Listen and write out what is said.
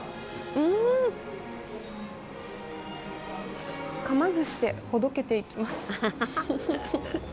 うん！かまずしてほどけていきます。